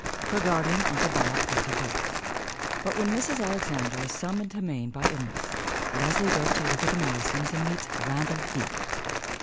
Her guardian, Uncle Bob, pays her bills. But when Mrs. Alexander is summoned to Maine by illness Leslie goes to live with the Morrisons and meets Randall Heath.